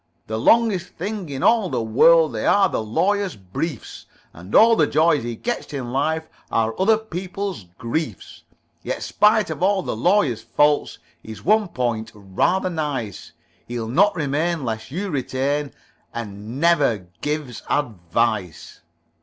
The longest things in all the world They are the Lawyer's briefs, And all the joys he gets in life Are other people's griefs. Yet spite of all the Lawyer's faults He's one point rather nice: He'll not remain lest you retain And never gives advice."